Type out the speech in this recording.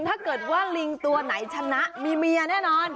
ถ้าเกิดว่าลิงตัวไหนชนะมีเมียแน่นอน